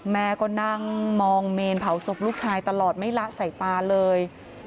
แม่ก็นั่งมองเมนเผาศพลูกชายตลอดไม่ละใส่ตาเลย